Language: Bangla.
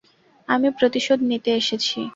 আমি প্রতিশোধ নিতে এসেছি।